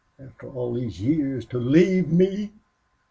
After all these years to leave me!"